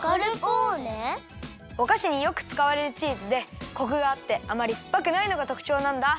おかしによくつかわれるチーズでコクがあってあまりすっぱくないのがとくちょうなんだ。